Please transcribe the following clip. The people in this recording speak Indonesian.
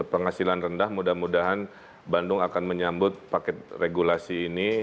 penghasilan rendah mudah mudahan bandung akan menyambut paket regulasi ini